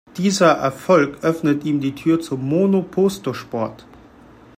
Dieser Erfolg öffnete ihm die Tür zum Monoposto-Sport.